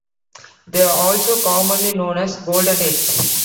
They are also commonly known as goldenheads.